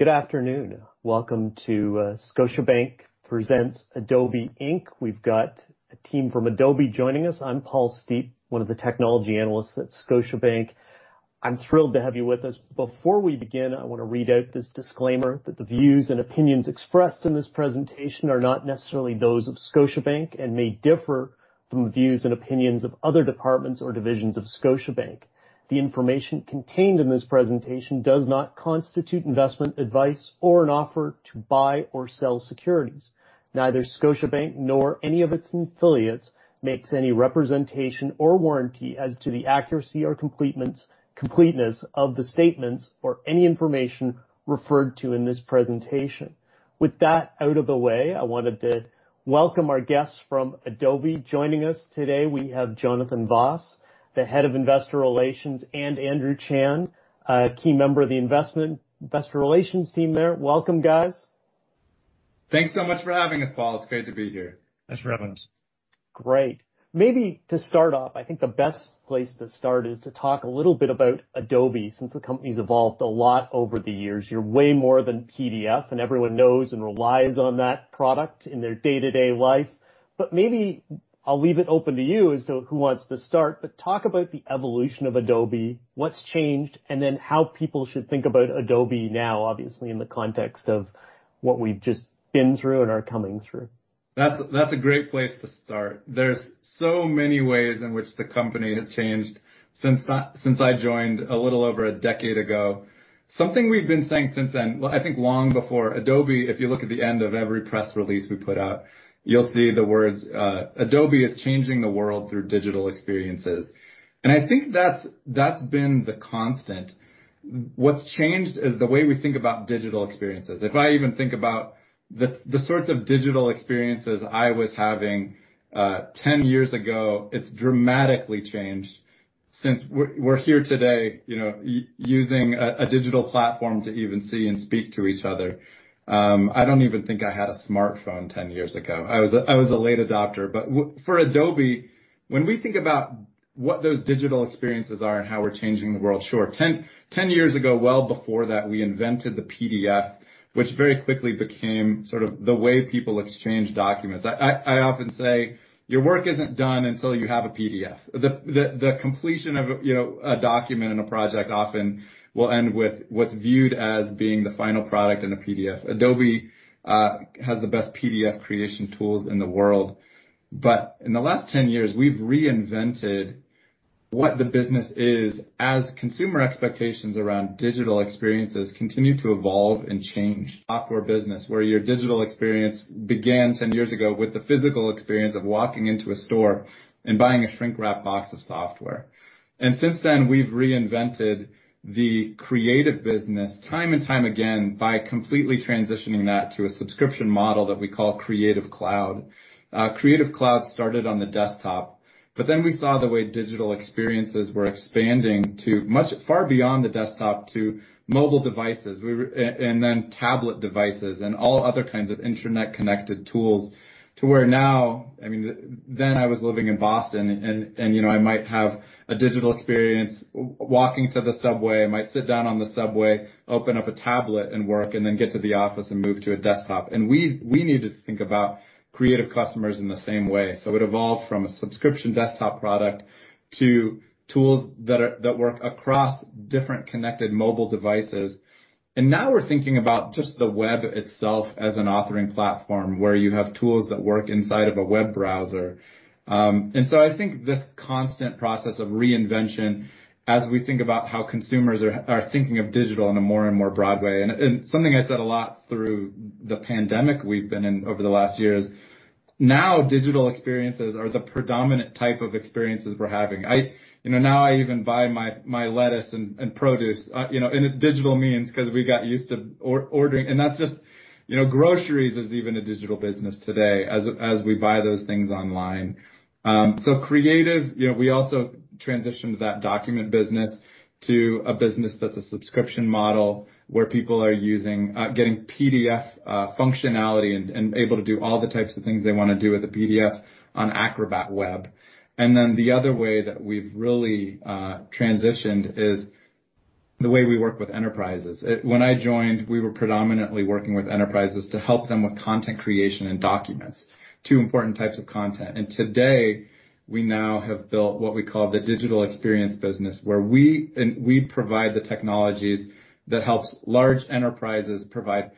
Good afternoon. Welcome to Scotiabank presents Adobe Inc. We've got a team from Adobe joining us. I'm Paul Steep, one of the technology analysts at Scotiabank. I'm thrilled to have you with us. Before we begin, I want to read out this disclaimer, that the views and opinions expressed in this presentation are not necessarily those of Scotiabank and may differ from the views and opinions of other departments or divisions of Scotiabank. The information contained in this presentation does not constitute investment advice or an offer to buy or sell securities. Neither Scotiabank nor any of its affiliates makes any representation or warranty as to the accuracy or completeness of the statements or any information referred to in this presentation. With that out of the way, I wanted to welcome our guests from Adobe joining us today, we have Jonathan Voss, the head of Investor Relations, and Andrew Chan, a key member of the Investor Relations team there. Welcome, guys. Thanks so much for having us, Paul Steep. It's great to be here. Thanks for having us. Great. Maybe to start off, I think the best place to start is to talk a little bit about Adobe, since the company's evolved a lot over the years. You're way more than PDF, and everyone knows and relies on that product in their day-to-day life. Maybe I'll leave it open to you as to who wants to start, but talk about the evolution of Adobe, what's changed, and then how people should think about Adobe now, obviously, in the context of what we've just been through and are coming through. That's a great place to start. There's so many ways in which the company has changed since I joined a little over a decade ago. Something we've been saying since then, I think long before Adobe, if you look at the end of every press release we put out, you'll see the words, "Adobe is changing the world through digital experiences." I think that's been the constant. What's changed is the way we think about digital experiences. If I even think about the sorts of digital experiences I was having 10 years ago, it's dramatically changed since we're here today, using a digital platform to even see and speak to each other. I don't even think I had a smartphone 10 years ago. I was a late adopter. For Adobe, when we think about what those digital experiences are and how we're changing the world, sure, 10 years ago, well before that, we invented the PDF, which very quickly became sort of the way people exchange documents. I often say your work isn't done until you have a PDF. The completion of a document and a project often will end with what's viewed as being the final product in a PDF. Adobe has the best PDF creation tools in the world. In the last 10 years, we've reinvented what the business is as consumer expectations around digital experiences continue to evolve and change. Software business, where your digital experience began 10 years ago with the physical experience of walking into a store and buying a shrink-wrapped box of software. Since then, we've reinvented the creative business time and time again by completely transitioning that to a subscription model that we call Creative Cloud. Creative Cloud started on the desktop, we saw the way digital experiences were expanding to far beyond the desktop to mobile devices, and then tablet devices, and all other kinds of internet-connected tools to where now. I was living in Boston, and I might have a digital experience walking to the subway. I might sit down on the subway, open up a tablet and work, and then get to the office and move to a desktop. We need to think about creative customers in the same way. It evolved from a subscription desktop product to tools that work across different connected mobile devices. Now we're thinking about just the web itself as an authoring platform, where you have tools that work inside of a web browser. I think this constant process of reinvention as we think about how consumers are thinking of digital in a more and more broad way. Something I said a lot through the pandemic we've been in over the last year is now digital experiences are the predominant type of experiences we're having. Now I even buy my lettuce and produce in a digital means because we got used to ordering. Groceries is even a digital business today as we buy those things online. Creative, we also transitioned that document business to a business that's a subscription model where people are getting PDF functionality and able to do all the types of things they want to do with a PDF on Acrobat Web. The other way that we've really transitioned is the way we work with enterprises. When I joined, we were predominantly working with enterprises to help them with content creation and documents, two important types of content. Today, we now have built what we call the Digital Experience Business, where we provide the technologies that helps large enterprises provide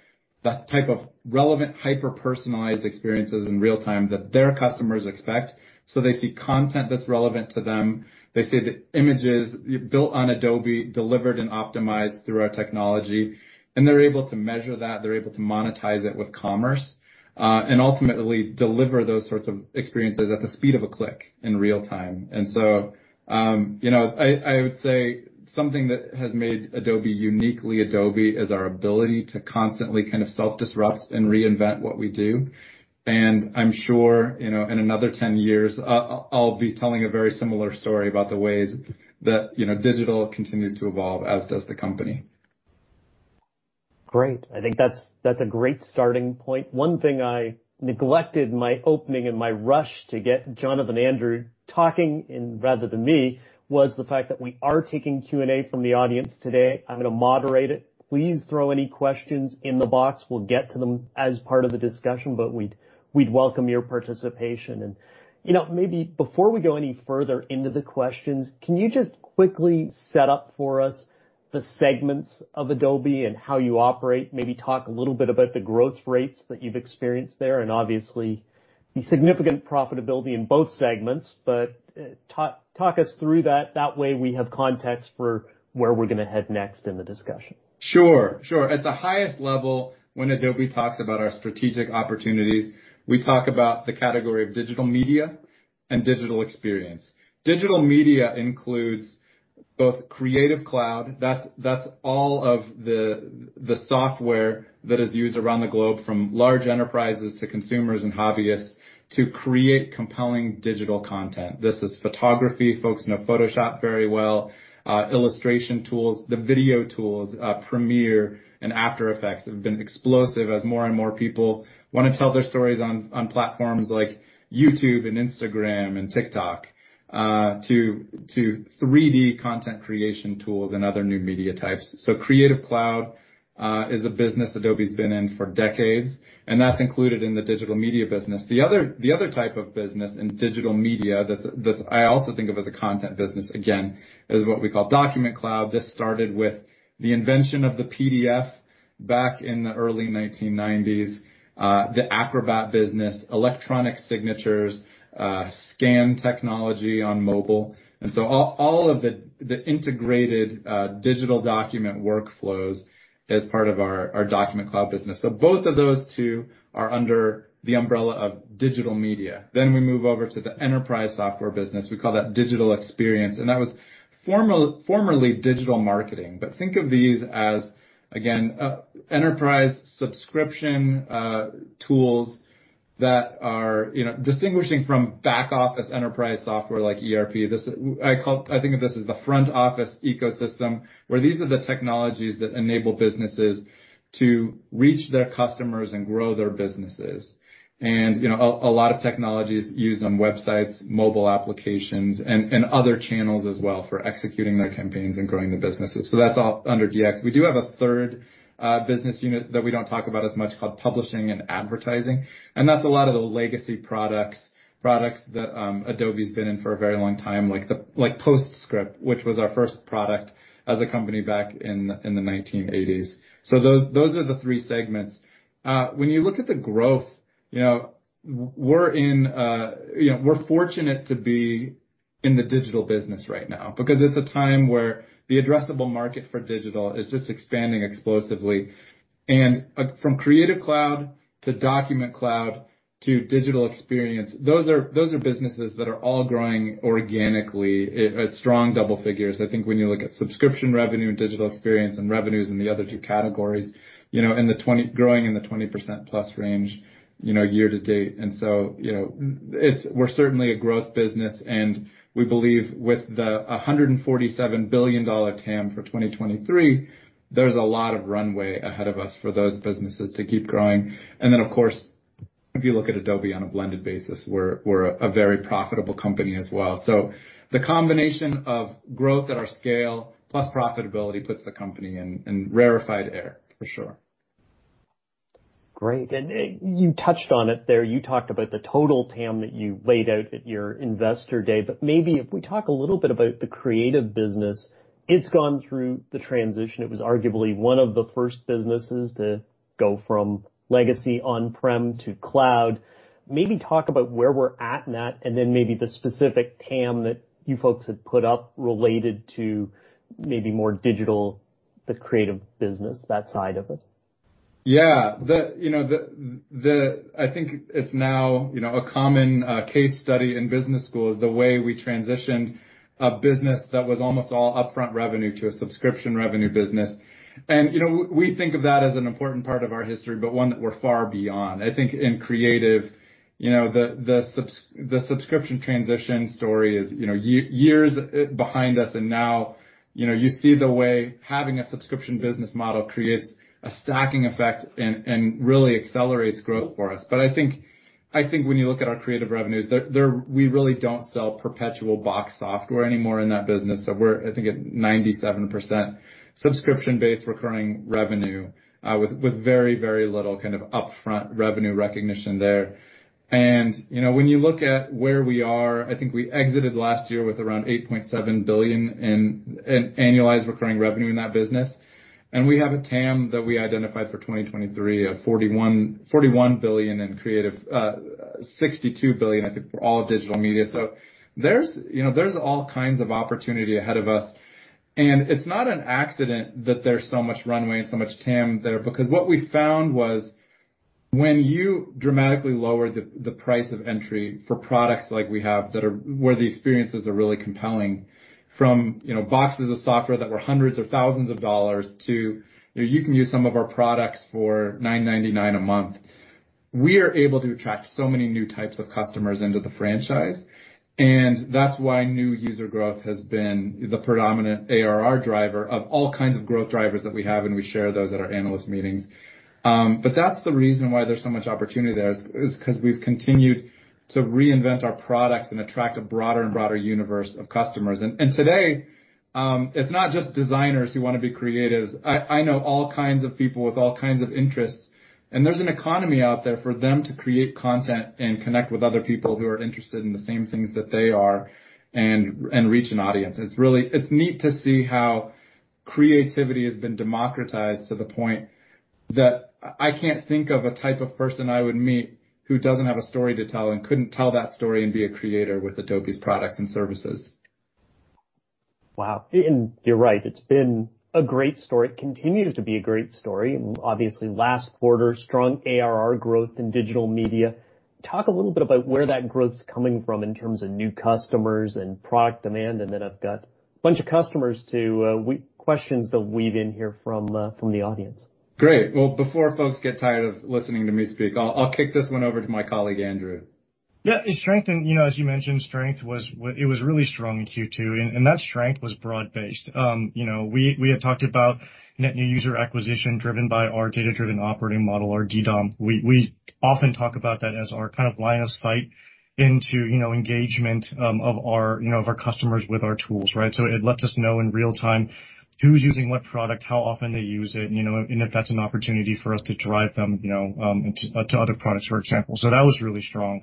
that type of relevant, hyper-personalized experiences in real time that their customers expect. They see content that's relevant to them. They see the images built on Adobe, delivered and optimized through our technology, and they're able to measure that. They're able to monetize it with commerce, and ultimately deliver those sorts of experiences at the speed of a click in real time. I would say something that has made Adobe uniquely Adobe is our ability to constantly kind of self-disrupt and reinvent what we do. I'm sure in another 10 years, I'll be telling a very similar story about the ways that digital continues to evolve, as does the company. Great. I think that's a great starting point. One thing I neglected in my opening, in my rush to get Jonathan and Andrew talking rather than me, was the fact that we are taking Q&A from the audience today. I'm going to moderate it. Please throw any questions in the box. We'll get to them as part of the discussion, but we'd welcome your participation. Maybe before we go any further into the questions, can you just quickly set up for us the segments of Adobe and how you operate? Maybe talk a little bit about the growth rates that you've experienced there, and obviously the significant profitability in both segments, but talk us through that. That way, we have context for where we're going to head next in the discussion. Sure. At the highest level, when Adobe talks about our strategic opportunities, we talk about the category of digital media and digital experience. Digital media includes both Creative Cloud, that's all of the software that is used around the globe, from large enterprises to consumers and hobbyists, to create compelling digital content. This is photography. Folks know Photoshop very well. Illustration tools, the video tools, Premiere, and After Effects have been explosive as more and more people want to tell their stories on platforms like YouTube, Instagram, and TikTok, to 3D content creation tools and other new media types. Creative Cloud is a business Adobe's been in for decades, and that's included in the digital media business. The other type of business in digital media that I also think of as a content business, again, is what we call Document Cloud. This started with the invention of the PDF back in the early 1990s, the Acrobat business, electronic signatures, scan technology on mobile. All of the integrated digital document workflows as part of our Document Cloud business. Both of those two are under the umbrella of Digital Media. We move over to the enterprise software business. We call that Digital Experience, and that was formerly Digital Marketing. Think of these as, again, enterprise subscription tools that are distinguishing from back office enterprise software like ERP. I think of this as the front office ecosystem, where these are the technologies that enable businesses to reach their customers and grow their businesses. A lot of technologies used on websites, mobile applications, and other channels as well for executing their campaigns and growing their businesses. That's all under DX. We do have a third business unit that we don't talk about as much, called publishing and advertising. That's a lot of the legacy products that Adobe's been in for a very long time, like PostScript, which was our first product as a company back in the 1980s. Those are the three segments. When you look at the growth, we're fortunate to be in the digital business right now, because it's a time where the addressable market for digital is just expanding explosively. From Creative Cloud to Document Cloud to Digital Experience, those are businesses that are all growing organically at strong double figures. I think when you look at subscription revenue and Digital Experience and revenues in the other two categories, growing in the 20%+ range year to date. We're certainly a growth business, and we believe with the $147 billion TAM for 2023, there's a lot of runway ahead of us for those businesses to keep growing. Of course, if you look at Adobe on a blended basis, we're a very profitable company as well. The combination of growth at our scale plus profitability puts the company in rarefied air, for sure. Great. You touched on it there. You talked about the total TAM that you laid out at your Financial Analyst Day. Maybe if we talk a little bit about the creative business, it's gone through the transition. It was arguably one of the first businesses to go from legacy on-prem to cloud. Maybe talk about where we're at in that and then maybe the specific TAM that you folks have put up related to maybe more digital, the creative business, that side of it. I think it's now a common case study in business schools, the way we transitioned a business that was almost all upfront revenue to a subscription revenue business. We think of that as an important part of our history, but one that we're far beyond. I think in creative, the subscription transition story is years behind us, and now you see the way having a subscription business model creates a stacking effect and really accelerates growth for us. I think when you look at our creative revenues, we really don't sell perpetual box software anymore in that business. We're, I think, at 97% subscription-based recurring revenue, with very little upfront revenue recognition there. When you look at where we are, I think we exited last year with around $8.7 billion in annualized recurring revenue in that business. We have a TAM that we identified for 2023 of $41 billion in creative, $62 billion, I think, for all of digital media. There's all kinds of opportunity ahead of us. It's not an accident that there's so much runway and so much TAM there, because what we found was when you dramatically lower the price of entry for products like we have where the experiences are really compelling, from boxes of software that were hundreds of thousands of dollars to you can use some of our products for $9.99 a month. We are able to attract so many new types of customers into the franchise, and that's why new user growth has been the predominant ARR driver of all kinds of growth drivers that we have, and we share those at our analyst meetings. That's the reason why there's so much opportunity there is because we've continued to reinvent our products and attract a broader and broader universe of customers. Today, it's not just designers who want to be creatives. I know all kinds of people with all kinds of interests, and there's an economy out there for them to create content and connect with other people who are interested in the same things that they are and reach an audience. It's neat to see how creativity has been democratized to the point that I can't think of a type of person I would meet who doesn't have a story to tell and couldn't tell that story and be a creator with Adobe's products and services. Wow. You're right. It's been a great story. Continues to be a great story. Obviously, last quarter, strong ARR growth in digital media. Talk a little bit about where that growth's coming from in terms of new customers and product demand, and then I've got a bunch of customers, questions to weave in here from the audience. Great. Well, before folks get tired of listening to me speak, I will kick this one over to my colleague, Andrew. Yes. As you mentioned, strength, it was really strong in Q2, and that strength was broad-based. We had talked about net new user acquisition driven by our data-driven operating model, or DDOM. We often talk about that as our kind of line of sight into engagement of our customers with our tools, right? It lets us know in real time who's using what product, how often they use it, and if that's an opportunity for us to drive them to other products, for example. That was really strong.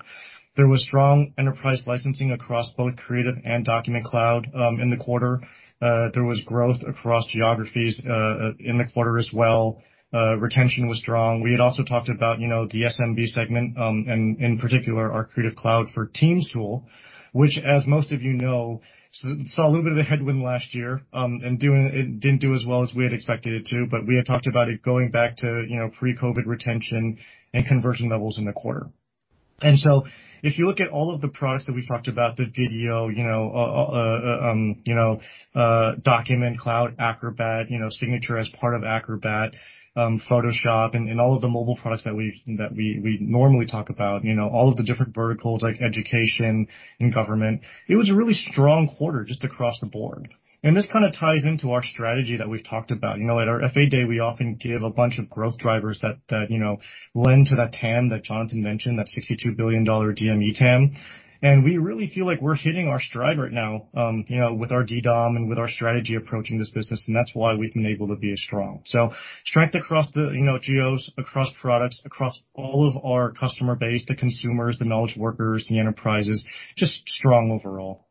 There was strong enterprise licensing across both Creative Cloud and Document Cloud in the quarter. There was growth across geographies in the quarter as well. Retention was strong. We had also talked about the SMB segment, and in particular, our Creative Cloud for Teams tool, which, as most of you know saw a little bit of a headwind last year, and didn't do as well as we had expected it to. We had talked about it going back to pre-COVID retention and conversion levels in the quarter. If you look at all of the products that we talked about the video, Document Cloud, Acrobat, Signature as part of Acrobat, Photoshop, and all of the mobile products that we normally talk about, all of the different verticals like education and government, it was a really strong quarter just across the board. This kind of ties into our strategy that we've talked about. At our Financial Analyst Day, we often give a bunch of growth drivers that lend to that TAM that Jonathan mentioned, that $62 billion DME TAM. We really feel like we're hitting our stride right now with our DDOM and with our strategy approaching this business. That's why we've been able to be as strong. Strength across the geos, across products, across all of our customer base, the consumers, the knowledge workers, the enterprises, just strong overall.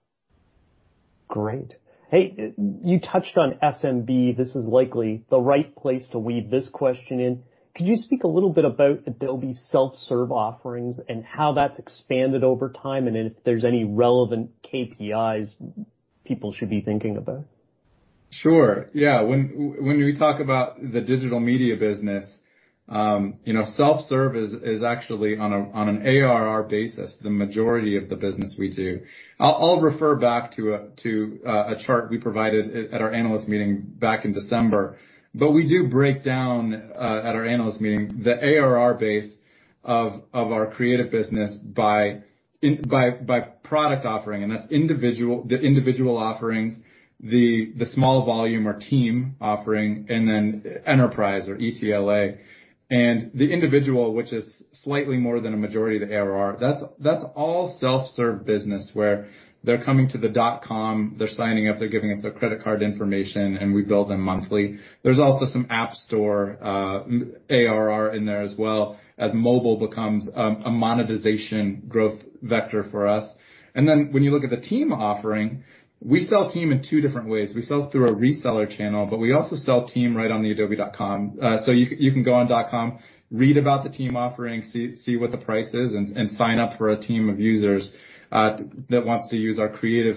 Great. Hey, you touched on SMB. This is likely the right place to weave this question in. Could you speak a little bit about Adobe's self-serve offerings and how that's expanded over time, and if there's any relevant KPIs people should be thinking about? Sure. When we talk about the digital media business, self-serve is actually, on an ARR basis, the majority of the business we do. I'll refer back to a chart we provided at our analyst meeting back in December. We do break down, at our analyst meeting, the ARR base of our creative business by product offering, and that's the individual offerings, the small volume or team offering, and then enterprise or ETLA. The individual, which is slightly more than a majority of the ARR, that's all self-serve business where they're coming to adobe.com, they're signing up, they're giving us their credit card information, and we bill them monthly. There's also some App Store ARR in there as well as mobile becomes a monetization growth vector for us. When you look at the team offering, we sell team in two different ways. We sell through a reseller channel, but we also sell team right on the adobe.com. You can go on .com, read about the team offering, see what the price is, and sign up for a team of users that wants to use our creative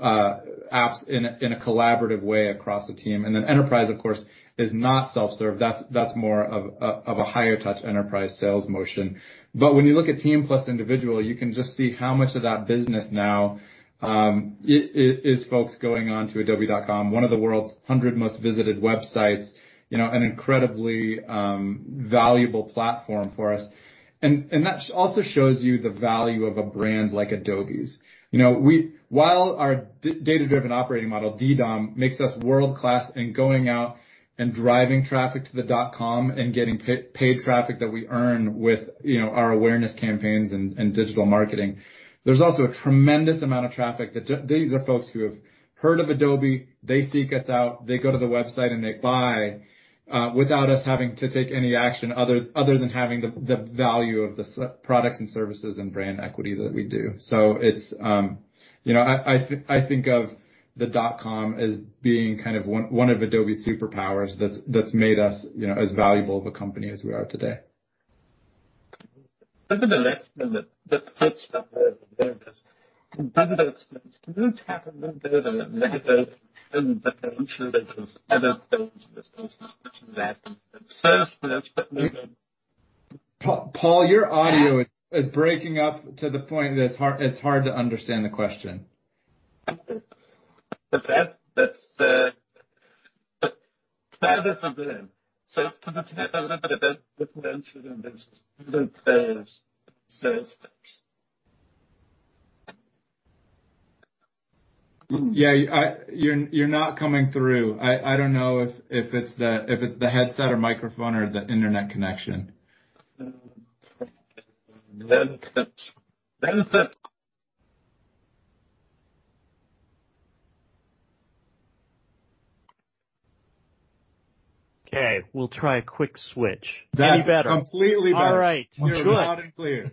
apps in a collaborative way across the team. Enterprise, of course, is not self-serve. That's more of a higher touch enterprise sales motion. When you look at team plus individual, you can just see how much of that business now is folks going on to adobe.com, one of the world's 100 most visited websites, an incredibly valuable platform for us. That also shows you the value of a brand like Adobe's. While our data-driven operating model, DDOM, makes us world-class in going out and driving traffic to the adobe.com and getting paid traffic that we earn with our awareness campaigns and digital marketing, there's also a tremendous amount of traffic that these are folks who have heard of Adobe. They seek us out, they go to the website, and they buy without us having to take any action other than having the value of the products and services and brand equity that we do. I think of the adobe.com as being kind of one of Adobe's superpowers that's made us as valuable of a company as we are today. Paul, your audio is breaking up to the point that it's hard to understand the question. You're not coming through. I don't know if it's the headset or microphone or the internet connection. Okay. We'll try a quick switch. Any better? Yes, completely better. All right. Good. You're loud and clear.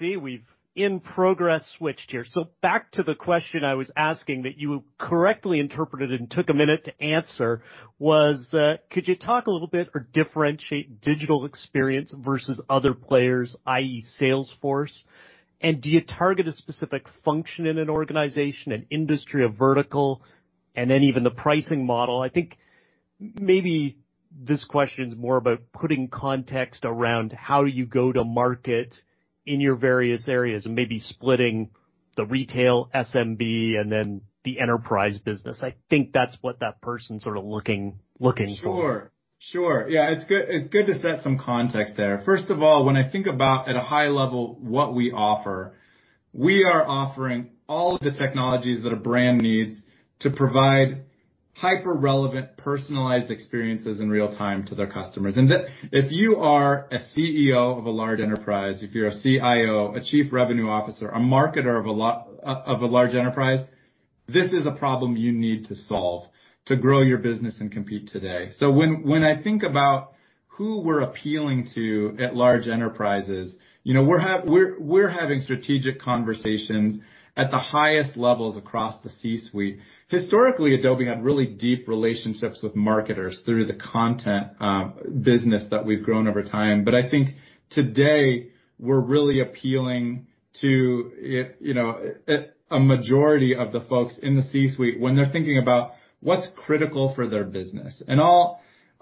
We've in progress switched here. Back to the question I was asking that you correctly interpreted and took a minute to answer was, could you talk a little bit or differentiate Digital Experience versus other players, i.e. Salesforce? Do you target a specific function in an organization, an industry, a vertical, and then even the pricing model? I think maybe this question's more about putting context around how you go-to-market in your various areas and maybe splitting the retail SMB and then the enterprise business. I think that's what that person's sort of looking for. Sure. It's good to set some context there. First of all, when I think about at a high level what we offer, we are offering all of the technologies that a brand needs to provide hyper-relevant, personalized experiences in real time to their customers. If you are a CEO of a large enterprise, if you're a CIO, a Chief Revenue Officer, a marketer of a large enterprise, this is a problem you need to solve to grow your business and compete today. When I think about who we're appealing to at large enterprises, we're having strategic conversations at the highest levels across the C-suite. Historically, Adobe had really deep relationships with marketers through the content business that we've grown over time. I think today, we're really appealing to a majority of the folks in the C-suite when they're thinking about what's critical for their business.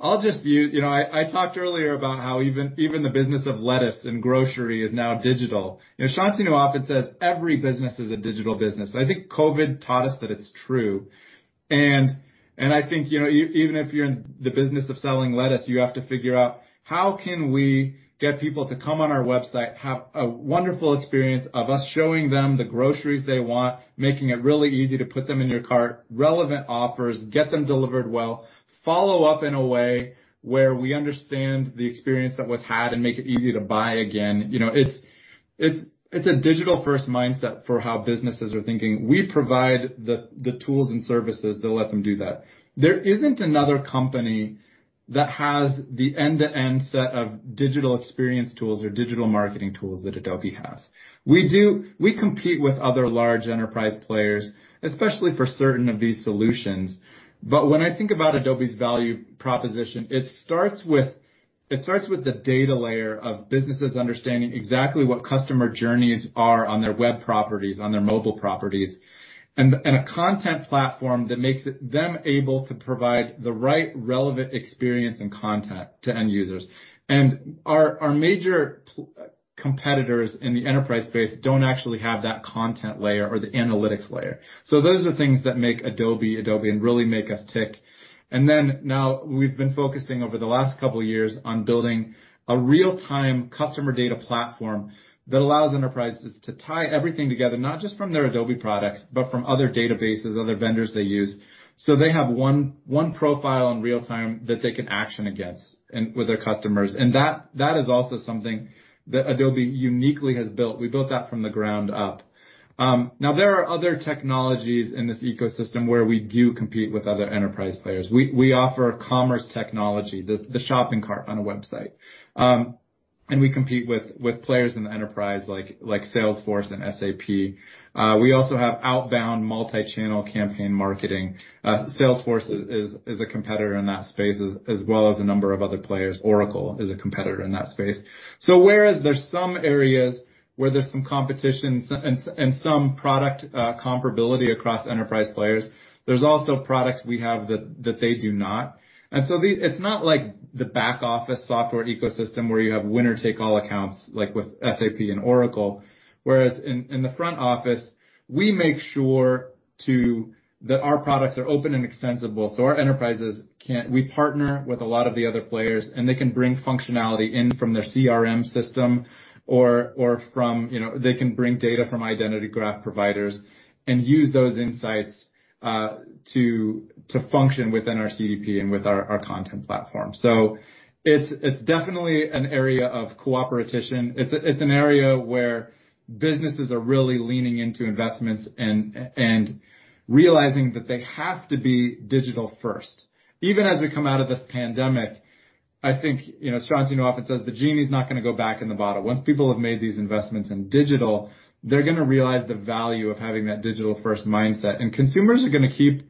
I talked earlier about how even the business of lettuce and grocery is now digital. Shantanu often says every business is a digital business. I think COVID taught us that it's true. I think, even if you're in the business of selling lettuce, you have to figure out, how can we get people to come on our website, have a wonderful experience of us showing them the groceries they want, making it really easy to put them in your cart, relevant offers, get them delivered well, follow up in a way where we understand the experience that was had and make it easy to buy again. It's a digital-first mindset for how businesses are thinking. We provide the tools and services that let them do that. There isn't another company that has the end-to-end set of digital experience tools or digital marketing tools that Adobe has. We compete with other large enterprise players, especially for certain of these solutions. When I think about Adobe's value proposition, it starts with the data layer of businesses understanding exactly what customer journeys are on their web properties, on their mobile properties, and a content platform that makes them able to provide the right relevant experience and content to end users. Our major competitors in the enterprise space don't actually have that content layer or the analytics layer. Those are the things that make Adobe Adobe and really make us tick. We've been focusing over the last couple of years on building a real-time customer data platform that allows enterprises to tie everything together, not just from their Adobe products, but from other databases, other vendors they use. They have one profile in real time that they can action against with their customers. That is also something that Adobe uniquely has built. We built that from the ground up. There are other technologies in this ecosystem where we do compete with other enterprise players. We offer commerce technology, the shopping cart on a website. We compete with players in the enterprise like Salesforce and SAP. We also have outbound multichannel campaign marketing. Salesforce is a competitor in that space, as well as a number of other players. Oracle is a competitor in that space. Whereas there's some areas where there's some competition and some product comparability across enterprise players, there's also products we have that they do not. It's not like the back-office software ecosystem where you have winner-take-all accounts, like with SAP and Oracle. Whereas in the front office, we make sure that our products are open and extensible. Our enterprises, we partner with a lot of the other players, and they can bring functionality in from their CRM system or they can bring data from identity graph providers and use those insights to function within our CDP and with our content platform. It's definitely an area of cooperation. It's an area where businesses are really leaning into investments and realizing that they have to be digital first. Even as we come out of this pandemic, I think Shantanu often says the genie's not going to go back in the bottle. Once people have made these investments in digital, they're going to realize the value of having that digital-first mindset, and consumers are going to keep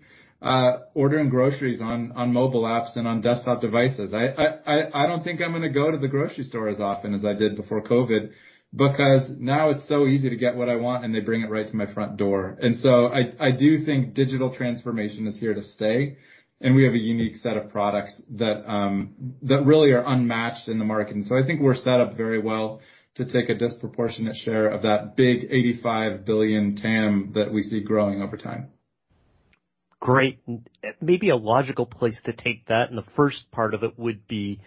ordering groceries on mobile apps and on desktop devices. I don't think I'm going to go to the grocery store as often as I did before COVID because now it's so easy to get what I want, and they bring it right to my front door. I do think digital transformation is here to stay, and we have a unique set of products that really are unmatched in the market. I think we're set up very well to take a disproportionate share of that big $85 billion TAM that we see growing over time. Great. Maybe a logical place to take that in the first part of it would be,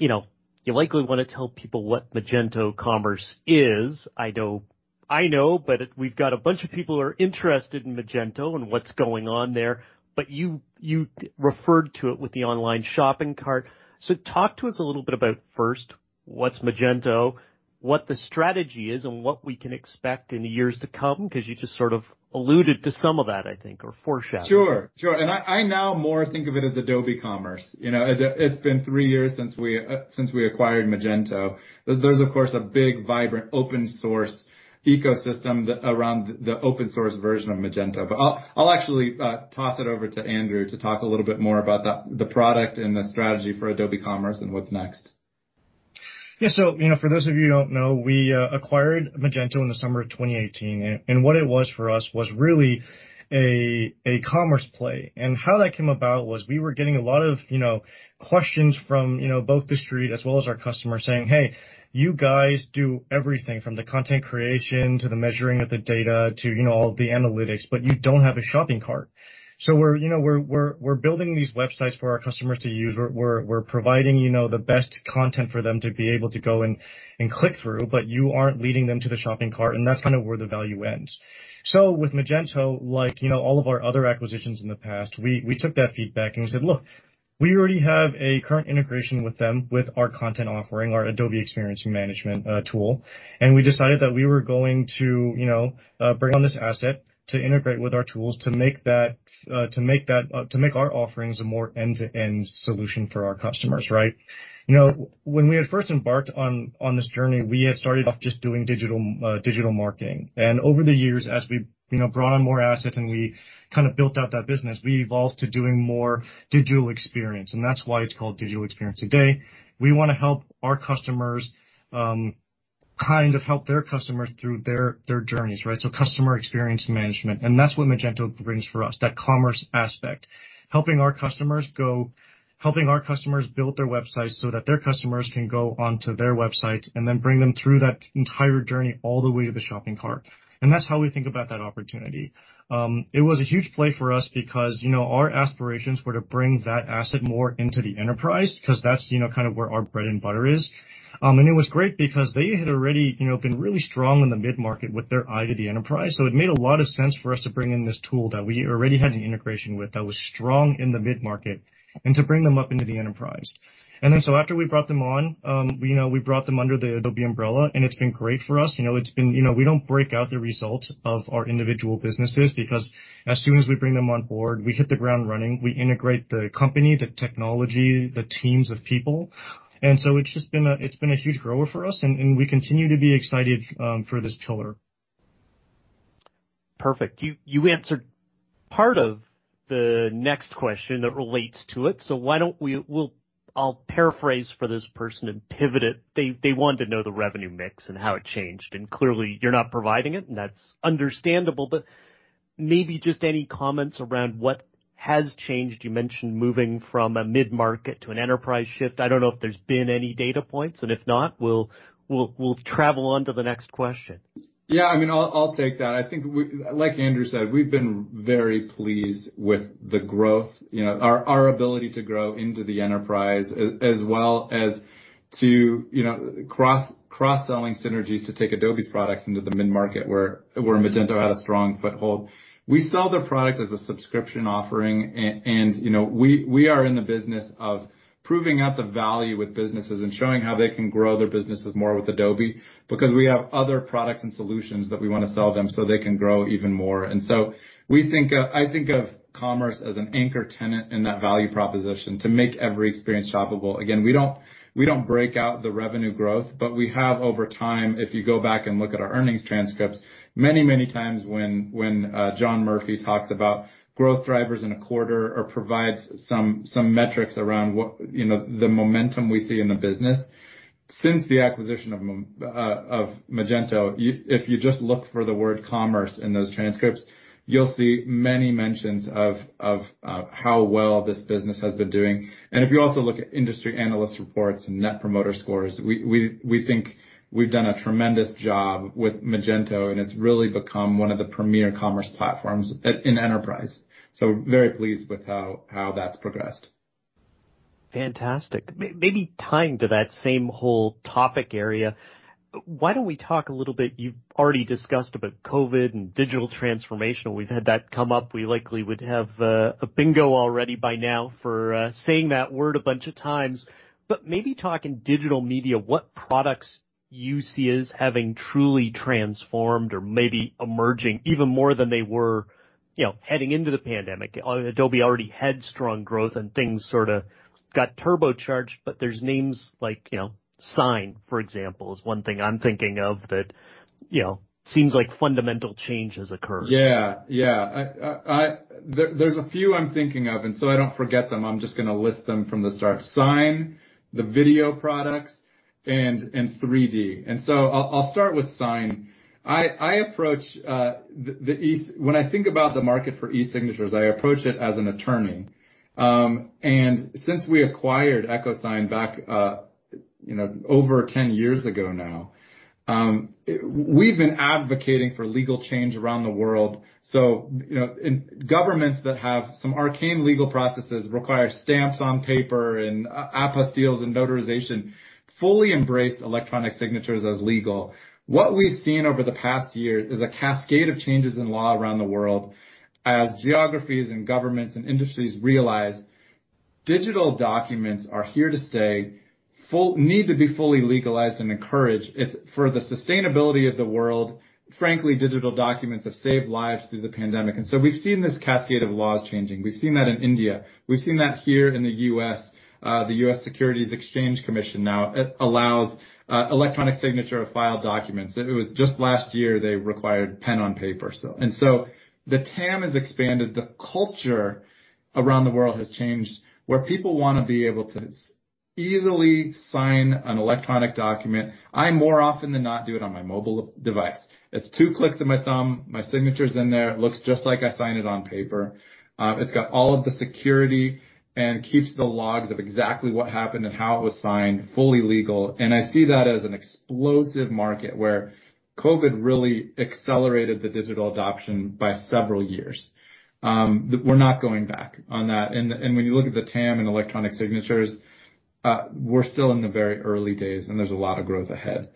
you likely want to tell people what Magento Commerce is. I know, but we've got a bunch of people who are interested in Magento and what's going on there, but you referred to it with the online shopping cart. Talk to us a little bit about first, what's Magento, what the strategy is, and what we can expect in the years to come, because you just sort of alluded to some of that, I think, or foreshadowed? Sure. I now more think of it as Adobe Commerce. It's been three years since we acquired Magento. There's, of course, a big, vibrant, open source ecosystem around the open source version of Magento. I'll actually toss it over to Andrew to talk a little bit more about the product and the strategy for Adobe Commerce and what's next. For those of you who don't know, we acquired Magento in the summer of 2018, what it was for us was really a commerce play. How that came about was we were getting a lot of questions from both the street as well as our customers saying, "Hey, you guys do everything from the content creation to the measuring of the data to all of the analytics, but you don't have a shopping cart." We're building these websites for our customers to use. We're providing the best content for them to be able to go and click through, you aren't leading them to the shopping cart, that's kind of where the value ends. With Magento, like all of our other acquisitions in the past, we took that feedback and we said, look, we already have a current integration with them, with our content offering, our Adobe Experience Manager tool. We decided that we were going to bring on this asset to integrate with our tools to make our offerings a more end-to-end solution for our customers, right? When we had first embarked on this journey, we had started off just doing digital marketing. Over the years, as we brought on more assets and we kind of built out that business, we evolved to doing more digital experience, and that's why it's called digital experience today. We want to help our customers kind of help their customers through their journeys. Customer experience management, and that's what Magento brings for us, that commerce aspect. Helping our customers build their websites so that their customers can go onto their websites and then bring them through that entire journey all the way to the shopping cart. That's how we think about that opportunity. It was a huge play for us because our aspirations were to bring that asset more into the enterprise because that's kind of where our bread and butter is. It was great because they had already been really strong in the mid-market with their eye to the enterprise. It made a lot of sense for us to bring in this tool that we already had an integration with that was strong in the mid-market and to bring them up into the enterprise. After we brought them on, we brought them under the Adobe umbrella, and it's been great for us. We don't break out the results of our individual businesses because as soon as we bring them on board, we hit the ground running. We integrate the company, the technology, the teams of people. It's been a huge grower for us, and we continue to be excited for this pillar. Perfect. You answered part of the next question that relates to it, so I'll paraphrase for this person and pivot it. They wanted to know the revenue mix and how it changed. Clearly you're not providing it. That's understandable. Maybe just any comments around what has changed. You mentioned moving from a mid-market to an enterprise shift. I don't know if there's been any data points. If not, we'll travel on to the next question. I'll take that. I think, like Andrew said, we've been very pleased with the growth, our ability to grow into the enterprise as well as to cross-selling synergies to take Adobe's products into the mid-market where Magento had a strong foothold. We sell their product as a subscription offering, and we are in the business of proving out the value with businesses and showing how they can grow their businesses more with Adobe because we have other products and solutions that we want to sell them so they can grow even more. I think of commerce as an anchor tenant in that value proposition to make every experience shoppable. Again, we don't break out the revenue growth, but we have over time, if you go back and look at our earnings transcripts, many, many times when John Murphy talks about growth drivers in a quarter or provides some metrics around the momentum we see in the business. Since the acquisition of Magento, if you just look for the word commerce in those transcripts, you'll see many mentions of how well this business has been doing. If you also look at industry analyst reports and net promoter scores, we think we've done a tremendous job with Magento, and it's really become one of the premier commerce platforms in the enterprise. Very pleased with how that's progressed. Fantastic. Maybe tying to that same whole topic area, why don't we talk a little bit, you've already discussed about COVID and digital transformation. We've had that come up. We likely would have a bingo already by now for saying that word a bunch of times. But maybe talk in Digital Media, what products you see as having truly transformed or maybe emerging even more than they were heading into the pandemic. Adobe already had strong growth, and things sort of got turbocharged, but there's names like Sign, for example, is one thing I'm thinking of that seems like fundamental change has occurred. Yes. There's a few I'm thinking of, so I don't forget them, I'm just going to list them from the start. Sign, the video products, and 3D. I'll start with Sign. When I think about the market for e-signatures, I approach it as an attorney. Since we acquired EchoSign back over 10 years ago now, we've been advocating for legal change around the world. Governments that have some arcane legal processes require stamps on paper and apostilles and notarization, fully embraced electronic signatures as legal. What we've seen over the past year is a cascade of changes in law around the world as geographies and governments and industries realize digital documents are here to stay, need to be fully legalized and encouraged. It's for the sustainability of the world. Frankly, digital documents have saved lives through the pandemic. We have seen this cascade of laws changing. We have seen that in India. We have seen that here in the U.S. The U.S. Securities and Exchange Commission now allows electronic signature of file documents. It was just last year, they required pen on paper still. The TAM has expanded. The culture around the world has changed, where people want to be able to easily sign an electronic document. I more often than not do it on my mobile device. It's two clicks of my thumb. My signature's in there. It looks just like I signed it on paper. It's got all of the security and keeps the logs of exactly what happened and how it was signed, fully legal. I see that as an explosive market where COVID really accelerated the digital adoption by several years. We're not going back on that. When you look at the TAM and electronic signatures, we're still in the very early days, and there's a lot of growth ahead.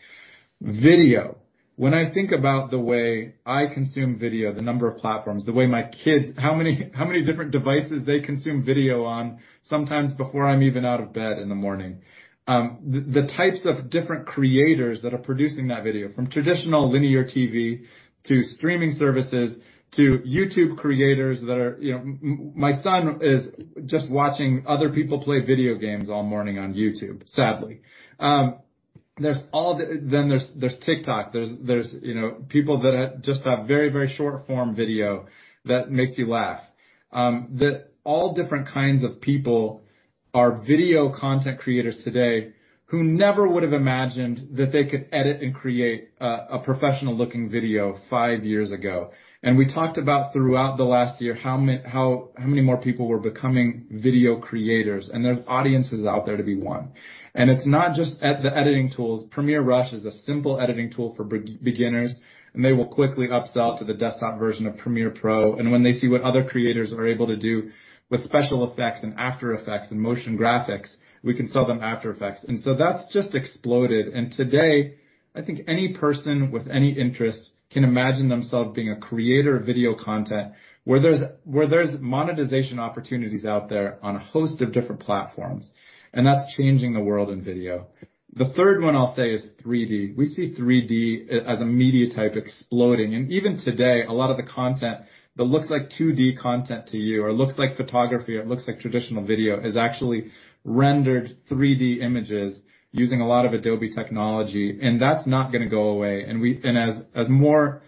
Video. When I think about the way I consume video, the number of platforms, the way my kids, how many different devices they consume video on, sometimes before I'm even out of bed in the morning. The types of different creators that are producing that video, from traditional linear TV to streaming services to YouTube creators. My son is just watching other people play video games all morning on YouTube, sadly. There's TikTok. There's people that just have very short-form video that makes you laugh. All different kinds of people are video content creators today who never would have imagined that they could edit and create a professional-looking video five years ago. We talked about throughout the last year, how many more people were becoming video creators, and there's audiences out there to be won. It's not just the editing tools. Premiere Rush is a simple editing tool for beginners, and they will quickly upsell to the desktop version of Premiere Pro. When they see what other creators are able to do with special effects and After Effects and motion graphics, we can sell them After Effects. That's just exploded. Today, I think any person with any interest can imagine themselves being a creator of video content where there's monetization opportunities out there on a host of different platforms, and that's changing the world in video. The third one I'll say is 3D. We see 3D as a media type exploding. Even today, a lot of the content that looks like 2D content to you or looks like photography or looks like traditional video is actually rendered 3D images using a lot of Adobe technology, and that's not going to go away. As more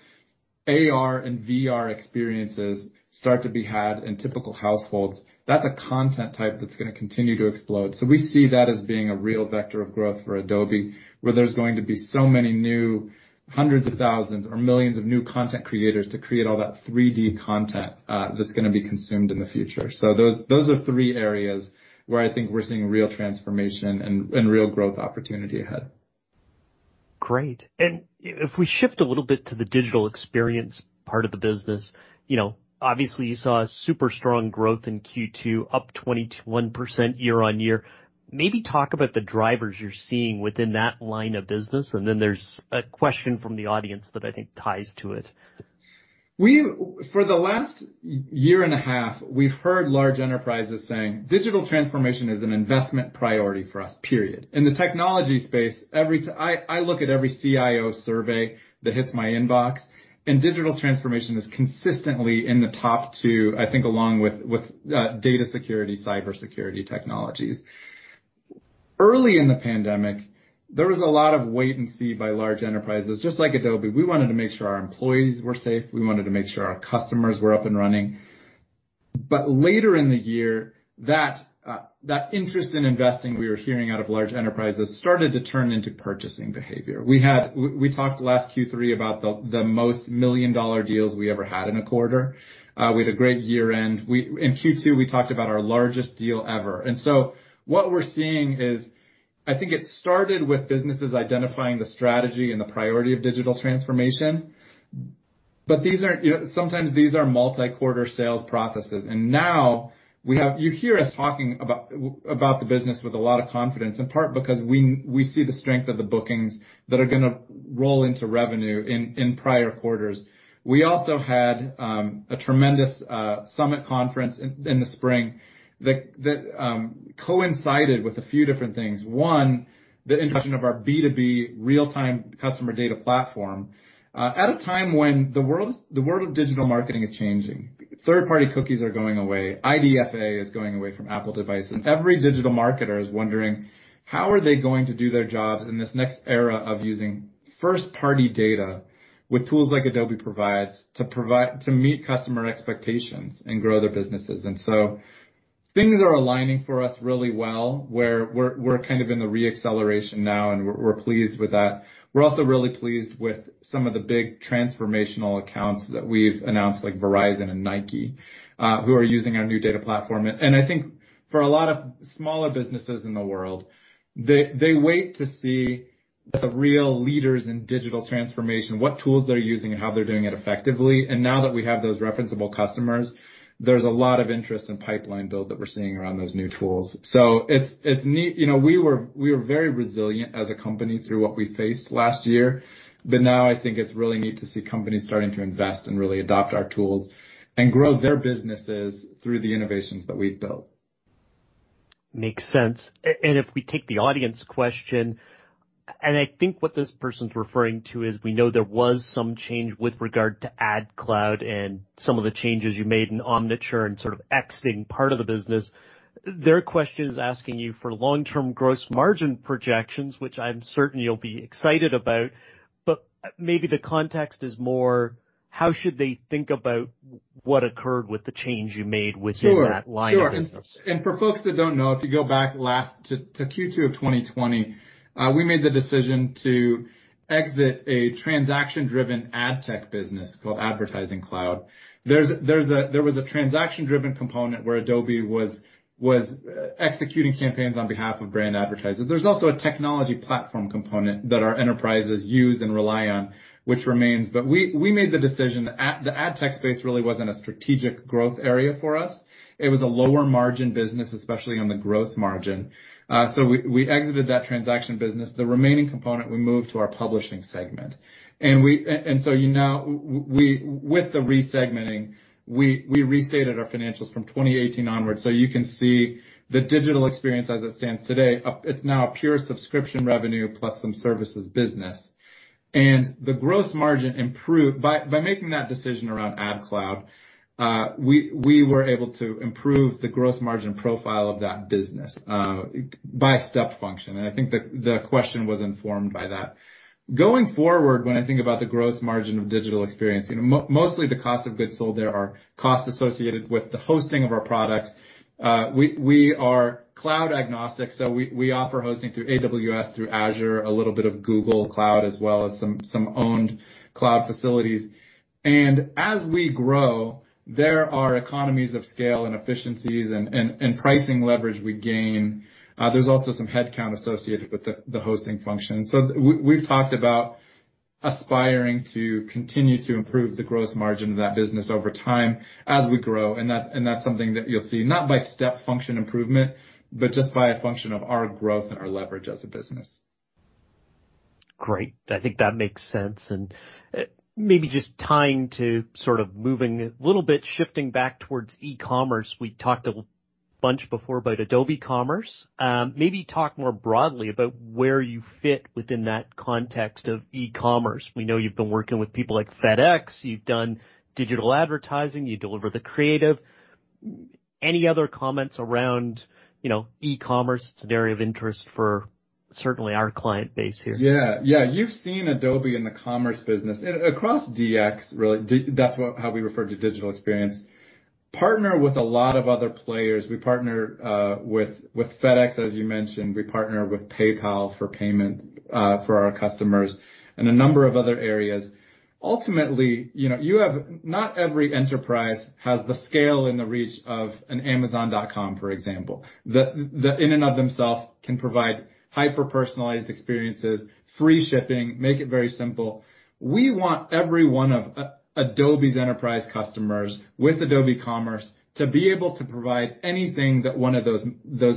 AR and VR experiences start to be had in typical households, that's a content type that's going to continue to explode. We see that as being a real vector of growth for Adobe, where there's going to be so many new hundreds of thousands or millions of new content creators to create all that 3D content that's going to be consumed in the future. Those are three areas where I think we're seeing real transformation and real growth opportunity ahead. Great. If we shift a little bit to the digital experience part of the business, obviously you saw super strong growth in Q2, up 21% year-over-year. Maybe talk about the drivers you're seeing within that line of business, then there's a question from the audience that I think ties to it. For the last year and a half, we've heard large enterprises saying, "digital transformation is an investment priority for us, period." In the technology space, I look at every CIO survey that hits my inbox, and digital transformation is consistently in the top two, I think along with data security, cybersecurity technologies. Early in the pandemic, there was a lot of wait and see by large enterprises. Just like Adobe, we wanted to make sure our employees were safe. We wanted to make sure our customers were up and running. Later in the year, that interest in investing we were hearing out of large enterprises started to turn into purchasing behavior. We talked last Q3 about the most million-dollar deals we ever had in a quarter. We had a great year-end. In Q2, we talked about our largest deal ever. I think it started with businesses identifying the strategy and the priority of digital transformation. Sometimes these are multi-quarter sales processes. Now, you hear us talking about the business with a lot of confidence, in part because we see the strength of the bookings that are going to roll into revenue in prior quarters. We also had a tremendous Summit conference in the spring that coincided with a few different things. One, the introduction of our B2B real-time customer data platform at a time when the world of digital marketing is changing. Third-party cookies are going away. IDFA is going away from Apple devices. Every digital marketer is wondering how are they going to do their jobs in this next era of using first-party data with tools like Adobe provides to meet customer expectations and grow their businesses. Things are aligning for us really well, where we're kind of in the re-acceleration now, and we're pleased with that. We're also really pleased with some of the big transformational accounts that we've announced, like Verizon and Nike, who are using our new data platform. I think for a lot of smaller businesses in the world, they wait to see the real leaders in digital transformation, what tools they're using and how they're doing it effectively. Now that we have those referenceable customers, there's a lot of interest and pipeline build that we're seeing around those new tools. We were very resilient as a company through what we faced last year. Now I think it's really neat to see companies starting to invest and really adopt our tools and grow their businesses through the innovations that we've built. Makes sense. If we take the audience question, and I think what this person's referring to is, we know there was some change with regard to Ad Cloud and some of the changes you made in Omniture and sort of exiting part of the business. Their question is asking you for long-term gross margin projections, which I'm certain you'll be excited about, but maybe the context is more how should they think about what occurred with the change you made within that line of business? Sure. For folks that don't know, if you go back to Q2 of 2020, we made the decision to exit a transaction-driven ad tech business called Advertising Cloud. There was a transaction-driven component where Adobe was executing campaigns on behalf of brand advertisers. There is also a technology platform component that our enterprises use and rely on, which remains. We made the decision, the ad tech space really wasn't a strategic growth area for us. It was a lower margin business, especially on the gross margin. We exited that transaction business. The remaining component, we moved to our publishing segment. With the re-segmenting, we restated our financials from 2018 onwards. You can see the Digital Experience as it stands today, it is now pure subscription revenue plus some services business. By making that decision around Ad Cloud, we were able to improve the gross margin profile of that business by step function, and I think the question was informed by that. Going forward, when I think about the gross margin of digital experience, mostly the cost of goods sold there are costs associated with the hosting of our products. We are cloud agnostic, we offer hosting through AWS, through Azure, a little bit of Google Cloud, as well as some owned cloud facilities. As we grow, there are economies of scale and efficiencies and pricing leverage we gain. There's also some headcount associated with the hosting function. We've talked about aspiring to continue to improve the gross margin of that business over time as we grow. That's something that you'll see, not by step function improvement, but just by a function of our growth and our leverage as a business. Great. I think that makes sense. Maybe just tying to sort of moving a little bit, shifting back towards e-commerce, we talked a bunch before about Adobe Commerce. Maybe talk more broadly about where you fit within that context of e-commerce. We know you've been working with people like FedEx, you've done digital advertising, you deliver the creative. Any other comments around e-commerce? It's an area of interest for certainly our client base here. Yes. You've seen Adobe in the commerce business, and across DX, really, that's how we refer to digital experience, partner with a lot of other players. We partner with FedEx, as you mentioned. We partner with PayPal for payment for our customers, and a number of other areas. Ultimately, not every enterprise has the scale and the reach of an Amazon.com, for example. That in and of themselves can provide hyper-personalized experiences, free shipping, make it very simple. We want every one of Adobe's enterprise customers with Adobe Commerce to be able to provide anything that one of those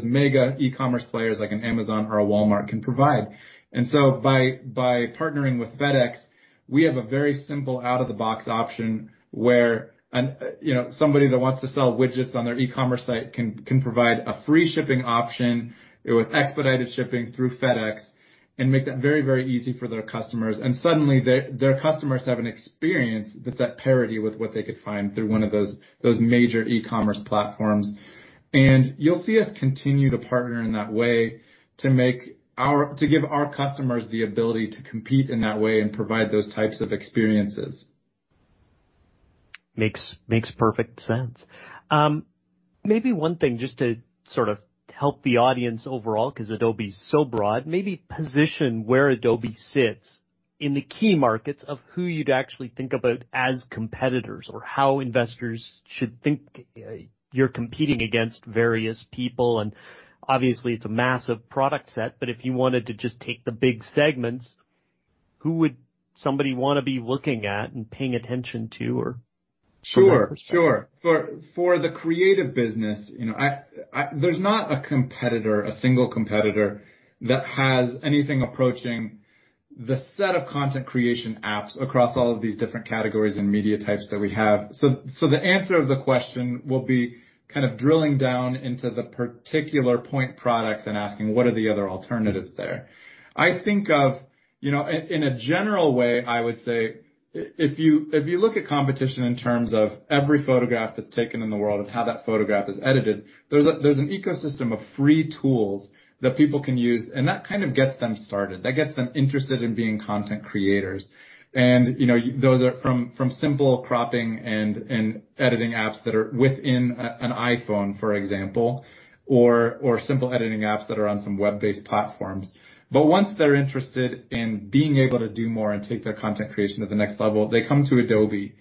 mega e-commerce players like an Amazon or a Walmart can provide. By partnering with FedEx, we have a very simple out-of-the-box option where somebody that wants to sell widgets on their e-commerce site can provide a free shipping option with expedited shipping through FedEx and make that very easy for their customers. Suddenly, their customers have an experience that's at parity with what they could find through one of those major e-commerce platforms. You'll see us continue to partner in that way to give our customers the ability to compete in that way and provide those types of experiences. Makes perfect sense. Maybe one thing, just to sort of help the audience overall, because Adobe's so broad, maybe position where Adobe sits in the key markets of who you'd actually think about as competitors, or how investors should think you're competing against various people. Obviously, it's a massive product set, but if you wanted to just take the big segments, who would somebody want to be looking at and paying attention to or from that perspective? Sure. For the creative business, there's not a single competitor that has anything approaching the set of content creation apps across all of these different categories and media types that we have. The answer of the question will be kind of drilling down into the particular point products and asking what are the other alternatives there. In a general way, I would say if you look at competition in terms of every photograph that's taken in the world and how that photograph is edited, there's an ecosystem of free tools that people can use, and that kind of gets them started. That gets them interested in being content creators. Those are from simple cropping and editing apps that are within an iPhone, for example, or simple editing apps that are on some web-based platforms. Once they're interested in being able to do more and take their content creation to the next level, they come to Adobe.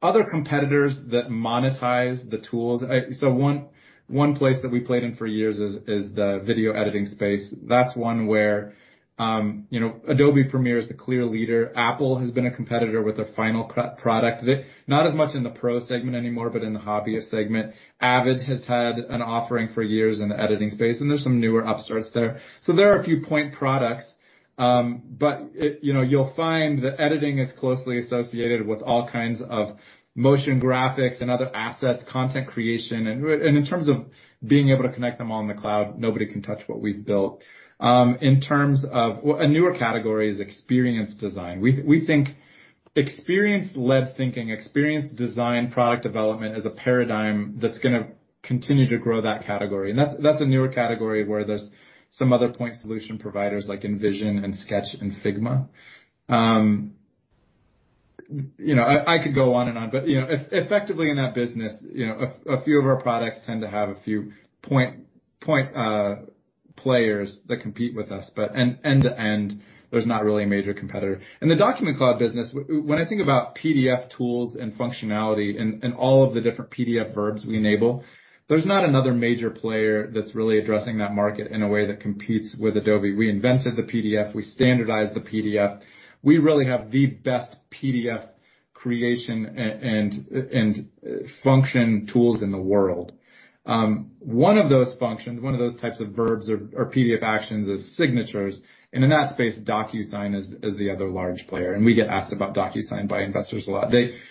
Other competitors that monetize the tools, so one place that we played in for years is the video editing space. That's one where Adobe Premiere is the clear leader. Apple has been a competitor with a final product, not as much in the pro segment anymore, but in the hobbyist segment. Avid has had an offering for years in the editing space, and there's some newer upstarts there. There are a few point products. You'll find that editing is closely associated with all kinds of motion graphics and other assets, content creation. In terms of being able to connect them all in the cloud, nobody can touch what we've built. A newer category is experience design. We think experience-led thinking, experience design, product development is a paradigm that's going to continue to grow that category. That's a newer category where there's some other point solution providers like InVision and Sketch and Figma. I could go on and on. Effectively in that business, a few of our products tend to have a few point players that compete with us. End-to-end, there's not really a major competitor. In the Document Cloud business, when I think about PDF tools and functionality and all of the different PDF verbs we enable, there's not another major player that's really addressing that market in a way that competes with Adobe. We invented the PDF. We standardized the PDF. We really have the best PDF creation and function tools in the world. One of those functions, one of those types of verbs or PDF actions is signatures. In that space, DocuSign is the other large player. We get asked about DocuSign by investors a lot.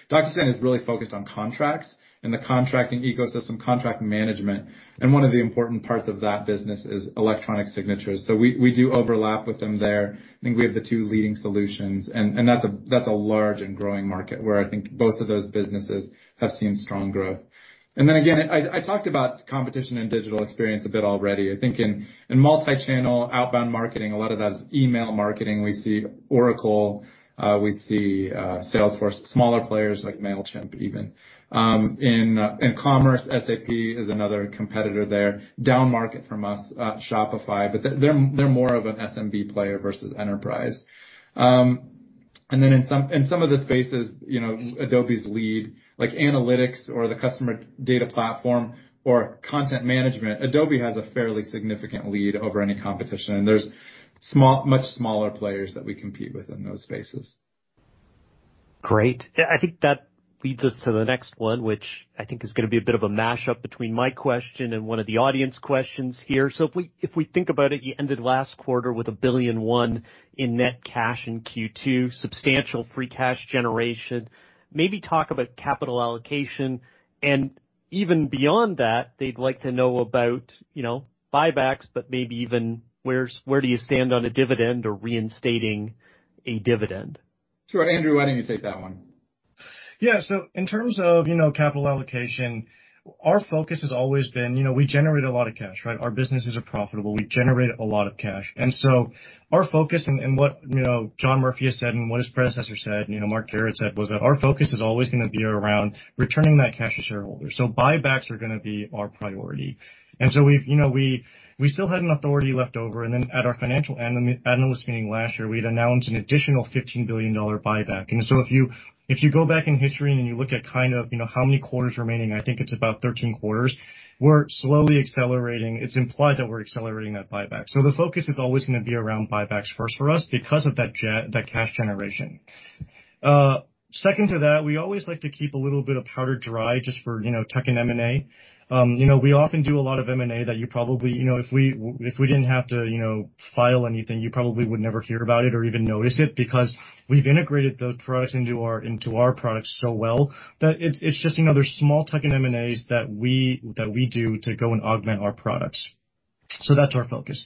DocuSign is really focused on contracts and the contracting ecosystem, contract management. One of the important parts of that business is electronic signatures. We do overlap with them there. I think we have the two leading solutions. That's a large and growing market where I think both of those businesses have seen strong growth. Again, I talked about competition in digital experience a bit already. I think in multi-channel outbound marketing, a lot of that is email marketing. We see Oracle, we see Salesforce, smaller players like Mailchimp even. In commerce, SAP is another competitor there. Downmarket from us, Shopify. They're more of an SMB player versus enterprise. In some of the spaces, Adobe's lead, like analytics or the customer data platform or content management, Adobe has a fairly significant lead over any competition, and there is much smaller players that we compete with in those spaces. Great. I think that leads us to the next one, which I think is going to be a bit of a mashup between my question and one of the audience questions here. If we think about it, you ended last quarter with $1.1 billion in net cash in Q2, substantial free cash generation. Maybe talk about capital allocation, and even beyond that, they'd like to know about buybacks, but maybe even where do you stand on a dividend or reinstating a dividend? Sure. Andrew, why don't you take that one? In terms of capital allocation, our focus has always been, we generate a lot of cash, right? Our businesses are profitable. We generate a lot of cash. Our focus and what John Murphy has said and what his predecessor said, Mark Garrett said, was that our focus is always going to be around returning that cash to shareholders. Buybacks are going to be our priority. We still had an authority left over, and then at our Financial Analyst Day last year, we'd announced an additional $15 billion buyback. If you go back in history and you look at how many quarters remaining, I think it's about 13 quarters. We're slowly accelerating. It's implied that we're accelerating that buyback. The focus is always going to be around buybacks first for us because of that cash generation. Second to that, we always like to keep a little bit of powder dry just for tuck-in M&A. We often do a lot of M&A that you probably, if we didn't have to file anything, you probably would never hear about it or even notice it because we've integrated those products into our products so well that it's just another small tuck-in M&As that we do to go and augment our products. That's our focus.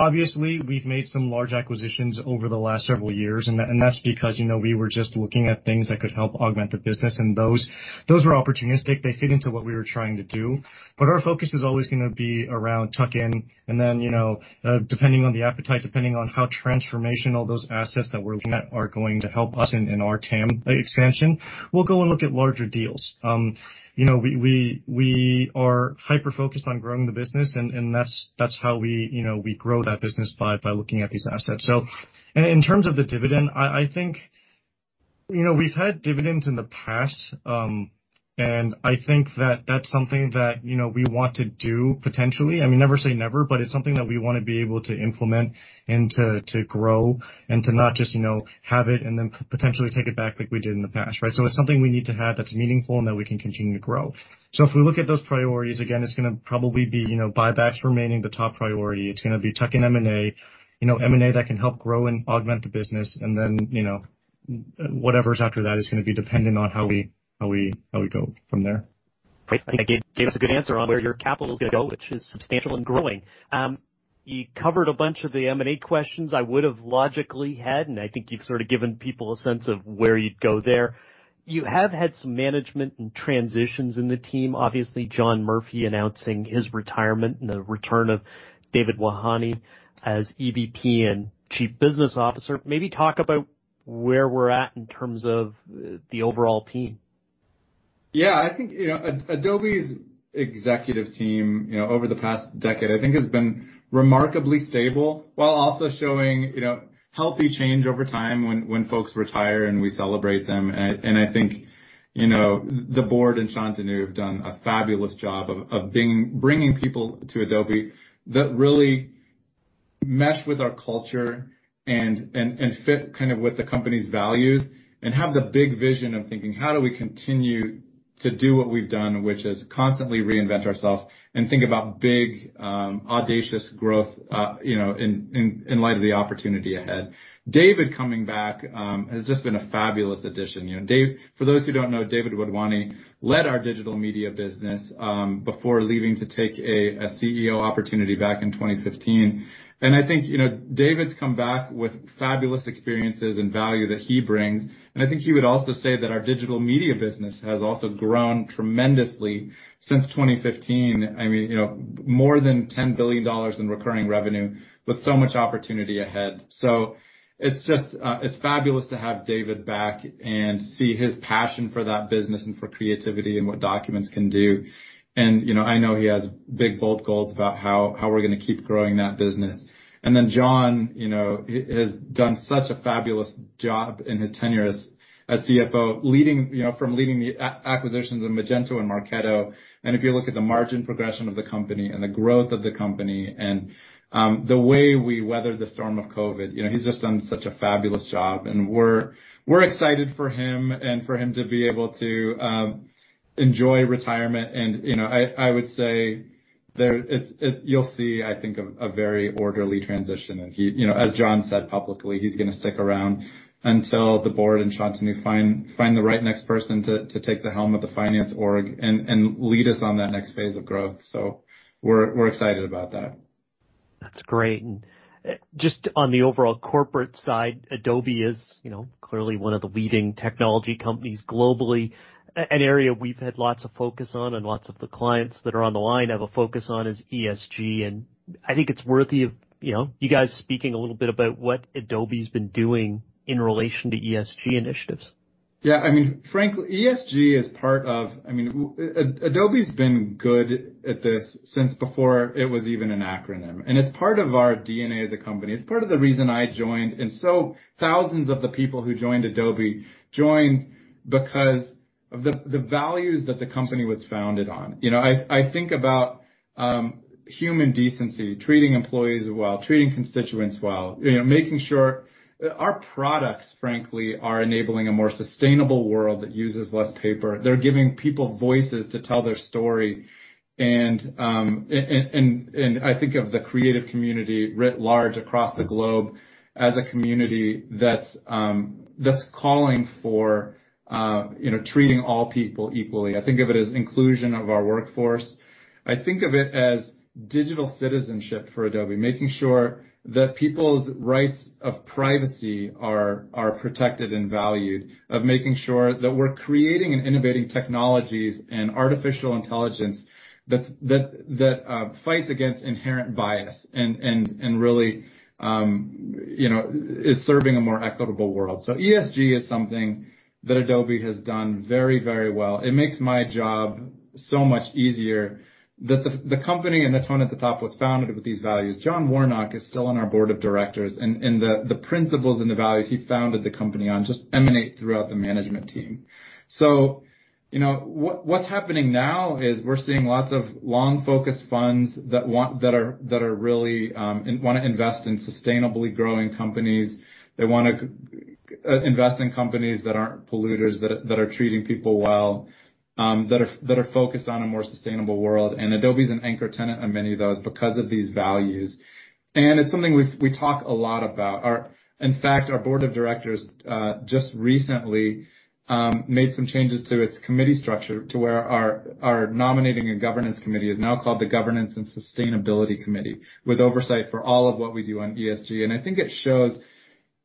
Obviously, we've made some large acquisitions over the last several years, and that's because we were just looking at things that could help augment the business, and those were opportunistic. They fit into what we were trying to do. Our focus is always going to be around tuck-in, then depending on the appetite, depending on how transformational those assets that we're looking at are going to help us in our TAM expansion, we'll go and look at larger deals. We are hyper-focused on growing the business, and that's how we grow that business by looking at these assets. In terms of the dividend, I think we've had dividends in the past, and I think that that's something that we want to do potentially. I mean, never say never, but it's something that we want to be able to implement and to grow and to not just have it and then potentially take it back like we did in the past, right? It's something we need to have that's meaningful and that we can continue to grow. If we look at those priorities, again, it's going to probably be buybacks remaining the top priority. It's going to be tuck-in M&A, M&A that can help grow and augment the business. Then whatever's after that is going to be dependent on how we go from there. Great. I think you gave us a good answer on where your capital's going to go, which is substantial and growing. You covered a bunch of the M&A questions I would've logically had, and I think you've sort of given people a sense of where you'd go there. You have had some management and transitions in the team. Obviously, John Murphy announcing his retirement and the return of David Wadhwani as EVP and Chief Business Officer. Maybe talk about where we're at in terms of the overall team. I think Adobe's executive team over the past decade, I think, has been remarkably stable while also showing healthy change over time when folks retire, and we celebrate them. I think the Board and Shantanu have done a fabulous job of bringing people to Adobe that really mesh with our culture and fit with the company's values and have the big vision of thinking, how do we continue to do what we've done, which is constantly reinvent ourselves and think about big, audacious growth in light of the opportunity ahead. David coming back has just been a fabulous addition. For those who don't know, David Wadhwani led our Digital Media business before leaving to take a CEO opportunity back in 2015. I think David's come back with fabulous experiences and value that he brings. I think he would also say that our Digital Media business has also grown tremendously since 2015. More than $10 billion in recurring revenue with so much opportunity ahead. It's fabulous to have David back and see his passion for that business and for creativity and what documents can do. I know he has big, bold goals about how we're going to keep growing that business. Then John has done such a fabulous job in his tenure as CFO, from leading the acquisitions of Magento and Marketo. If you look at the margin progression of the company and the growth of the company and the way we weathered the storm of COVID, he's just done such a fabulous job, and we're excited for him and for him to be able to enjoy retirement. I would say you'll see, I think, a very orderly transition. As John said publicly, he's going to stick around until the Board and Shantanu find the right next person to take the helm of the finance org and lead us on that next phase of growth. We're excited about that. That's great. Just on the overall corporate side, Adobe is clearly one of the leading technology companies globally. An area we've had lots of focus on and lots of the clients that are on the line have a focus on is ESG. I think it's worthy of you guys speaking a little bit about what Adobe's been doing in relation to ESG initiatives. Yes. Adobe's been good at this since before it was even an acronym. It's part of our DNA as a company. It's part of the reason I joined. Thousands of the people who joined Adobe joined because of the values that the company was founded on. I think about human decency, treating employees well, treating constituents well. Making sure our products, frankly, are enabling a more sustainable world that uses less paper. They're giving people voices to tell their story. I think of the creative community writ large across the globe as a community that's calling for treating all people equally. I think of it as inclusion of our workforce. I think of it as digital citizenship for Adobe, making sure that people's rights of privacy are protected and valued, of making sure that we're creating and innovating technologies and artificial intelligence that fights against inherent bias and really is serving a more equitable world. ESG is something that Adobe has done very well. It makes my job so much easier that the company and the tone at the top was founded with these values. John Warnock is still on our board of directors, the principles and the values he founded the company on just emanate throughout the management team. What's happening now is we're seeing lots of long-focused funds that really want to invest in sustainably growing companies. They want to invest in companies that aren't polluters, that are treating people well, that are focused on a more sustainable world. Adobe's an anchor tenant of many of those because of these values. It's something we talk a lot about. In fact, our Board of Directors just recently made some changes to its committee structure to where our Nominating and Governance Committee is now called the Governance and Sustainability Committee with oversight for all of what we do on ESG. I think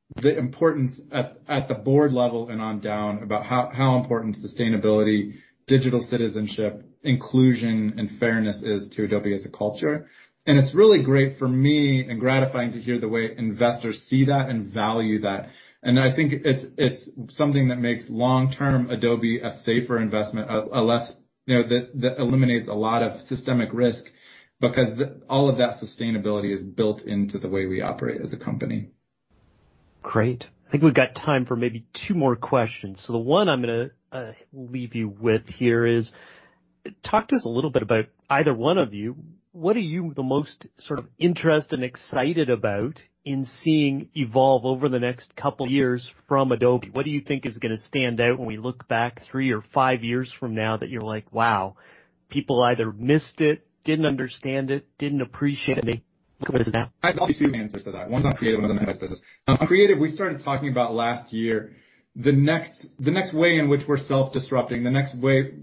it shows the importance at the board level and on down about how important sustainability, digital citizenship, inclusion, and fairness is to Adobe as a culture. It's really great for me and gratifying to hear the way investors see that and value that. I think it's something that makes long-term Adobe a safer investment that eliminates a lot of systemic risk because all of that sustainability is built into the way we operate as a company. Great. I think we've got time for maybe two more questions. The one I'm going to leave you with here is, talk to us a little bit about, either one of you, what are you the most sort of interested and excited about in seeing evolve over the next couple of years from Adobe? What do you think is going to stand out when we look back three or five years from now that you're like, "Wow." People either missed it, didn't understand it, didn't appreciate it? I have two answers to that. One's on creative, one on business. On creative, we started talking about last year, the next way in which we're self-disrupting, the next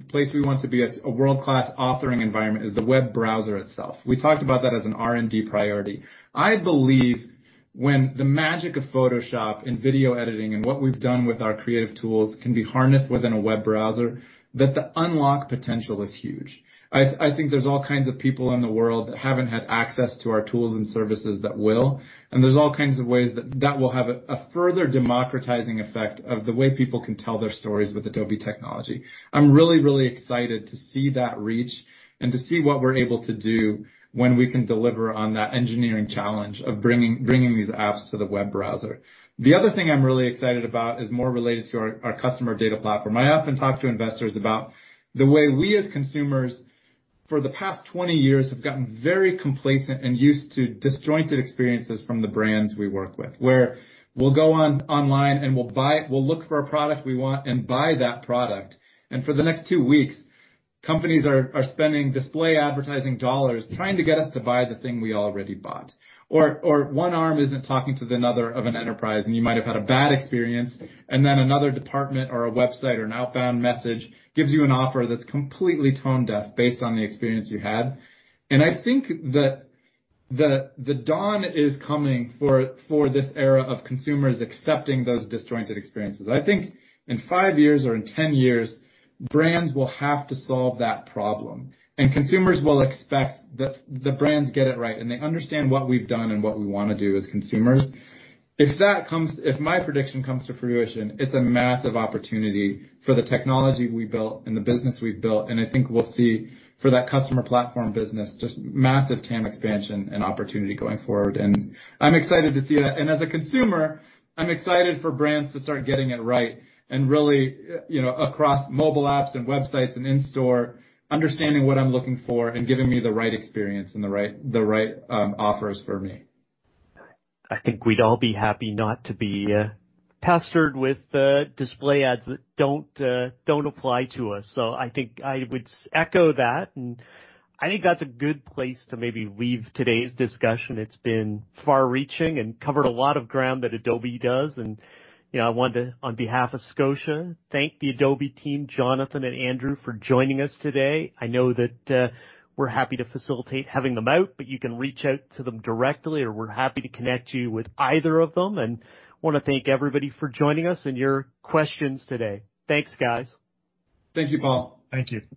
place we want to be as a world-class authoring environment is the web browser itself. We talked about that as an R&D priority. I believe when the magic of Photoshop and video editing and what we've done with our creative tools can be harnessed within a web browser, that the unlock potential is huge. I think there's all kinds of people in the world that haven't had access to our tools and services that will, and there's all kinds of ways that that will have a further democratizing effect of the way people can tell their stories with Adobe technology. I'm really excited to see that reach and to see what we're able to do when we can deliver on that engineering challenge of bringing these apps to the web browser. The other thing I'm really excited about is more related to our customer data platform. I often talk to investors about the way we as consumers, for the past 20 years, have gotten very complacent and used to disjointed experiences from the brands we work with, where we'll go online and we'll look for a product we want and buy that product. For the next two weeks, companies are spending display advertising dollars trying to get us to buy the thing we already bought. One arm isn't talking to another of an enterprise, and you might have had a bad experience, and then another department or a website or an outbound message gives you an offer that's completely tone-deaf based on the experience you had. I think that the dawn is coming for this era of consumers accepting those disjointed experiences. I think in five years or in 10 years, brands will have to solve that problem, and consumers will expect the brands get it right, and they understand what we've done and what we want to do as consumers. If my prediction comes to fruition, it's a massive opportunity for the technology we've built and the business we've built, and I think we'll see for that customer platform business, just massive TAM expansion and opportunity going forward. I'm excited to see that. As a consumer, I'm excited for brands to start getting it right and really, across mobile apps and websites and in-store, understanding what I'm looking for and giving me the right experience and the right offers for me. I think we'd all be happy not to be pestered with display ads that don't apply to us. I think I would echo that, and I think that's a good place to maybe leave today's discussion. It's been far-reaching and covered a lot of ground that Adobe does. I wanted to, on behalf of Scotiabank, thank the Adobe team, Jonathan and Andrew, for joining us today. I know that we're happy to facilitate having them out, but you can reach out to them directly, or we're happy to connect you with either of them. Want to thank everybody for joining us and your questions today. Thanks, guys. Thank you, Paul. Thank you.